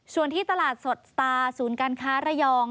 ส่วนที่ตลาดสดสตาร์ศูนย์การค้าระยอง